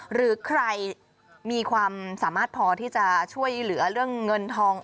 หรือใครมีความสามารถพอที่จะช่วยเหลือเรื่องเงินทอง